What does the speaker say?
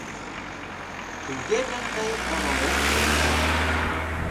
Туге гын тый оролен от керт.